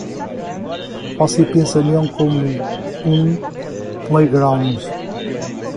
Você pensa nele como um playground.